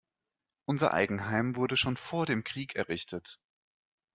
Unser Eigenheim wurde schon vor dem Krieg errichtet.